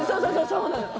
そうなのよ。